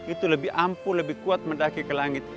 itu lebih ampuh lebih kuat mendaki ke langit